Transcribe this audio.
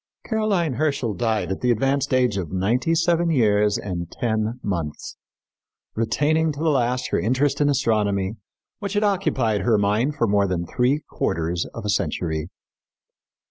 Caroline Herschel died at the advanced age of ninety seven years and ten months, retaining to the last her interest in astronomy which had occupied her mind for more than three quarters of a century.